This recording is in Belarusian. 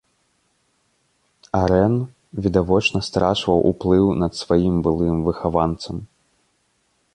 Арэн відавочна страчваў уплыў над сваім былым выхаванцам.